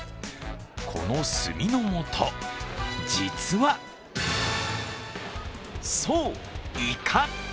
この墨の元、実はそう、イカ！